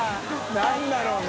何だろうな？